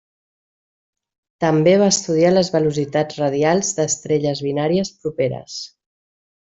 També va estudiar les velocitats radials d'estrelles binàries properes.